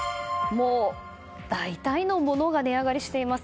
大体のものが値上がりしています。